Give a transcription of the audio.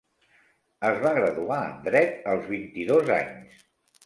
Es va graduar en dret als vint-i-dos anys.